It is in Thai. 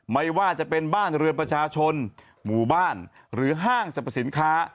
ไม่ว่าจะเป็นบ้านเรือนประชาชนหมู่บ้านหรือห้างสรรพสินค้า